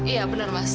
iya bener mas